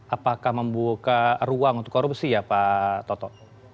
apakah membuka ruang untuk korupsi ya pak toto